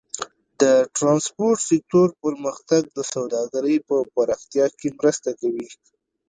د ټرانسپورټ سکتور پرمختګ د سوداګرۍ په پراختیا کې مرسته کوي.